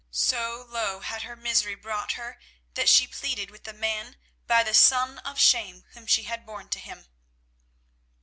So low had her misery brought her that she pleaded with the man by the son of shame whom she had borne to him.